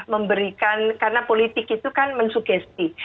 memberikan karena politik itu kan mensugesti